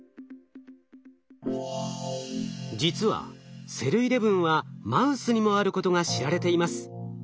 実はｓｅｌー１１はマウスにもあることが知られています。